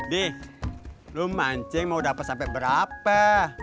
dih lo mancing mau dapat sampai berapa